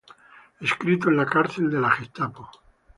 Escrito en la cárcel de la Gestapo.